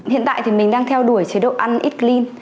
hiện tại mình đang theo đuổi chế độ ăn eat clean